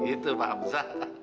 gitu pak hamzah